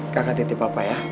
kakak titip papa yah